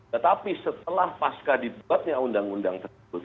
tetapi setelah pasca dibuatnya undang undang tersebut